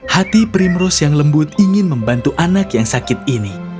hati primrose yang lembut ingin membantu anak yang sakit ini